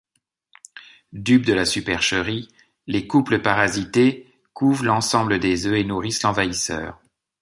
Dupes de la supercherie, les couples parasités couvent l'ensemble des œufs et nourrissent l'envahisseur.